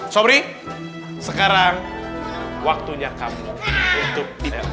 sombri sekarang waktunya kamu untuk dipakai rambutnya